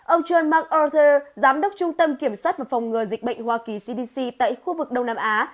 ông john mark ourzer giám đốc trung tâm kiểm soát và phòng ngừa dịch bệnh hoa kỳ cdc tại khu vực đông nam á